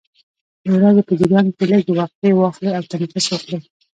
د ورځې په جریان کې لږې وقفې واخلئ او تنفس وکړئ.